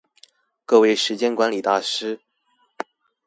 各位時間管理大師